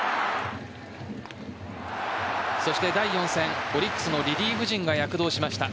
そして第４戦オリックスのリリーフ陣が躍動しました。